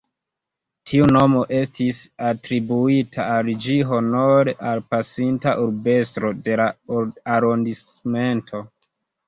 Tiu nomo estis atribuita al ĝi honore al pasinta urbestro de la arondismento.